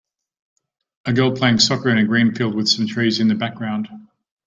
A girl playing soccer in a green field with some trees in the background.